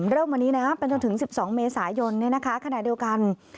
เริ่มวันนี้นะไปจนถึง๑๒เมษายนขณะเดียวกัน